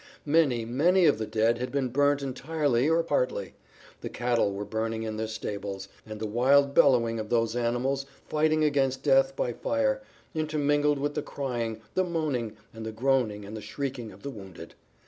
Many, many of the dead had been burnt entirely or partly; the cattle were burning in their stables, and the wild bellowing of those animals fighting against death by fire, intermingled with the crying, the moaning, the groaning and the shrieking of the wounded.